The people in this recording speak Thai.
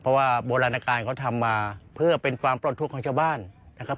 แต่ว่าโบราณการณ์เขาทำมาเพื่อเป็นความปลอดภูมิของชาวบ้านนะครับ